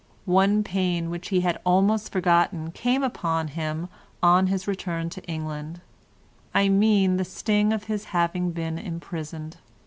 One pain which he had almost forgotten came upon him on his return to England, I mean the sting of his having been imprisoned.